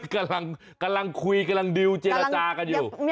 กำลังคุยกำลังดิวเจรจากันอยู่